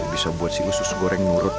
bisa buat si usus goreng murut